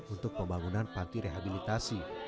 untuk pembangunan panti rehabilitasi